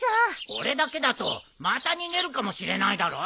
俺だけだとまた逃げるかもしれないだろ。